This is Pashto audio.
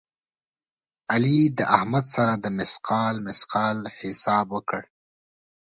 علي د احمد سره د مثقال مثقال حساب وکړ.